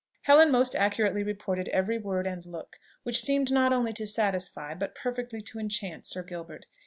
Helen most accurately reported every word and look; which seemed not only to satisfy, but perfectly to enchant Sir Gilbert.